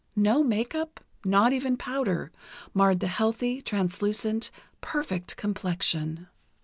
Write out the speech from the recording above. No make up, not even powder, marred the healthy, translucent, perfect complexion....